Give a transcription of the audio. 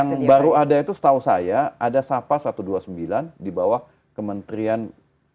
yang baru ada itu setahu saya ada sapa satu ratus dua puluh sembilan di bawah kementerian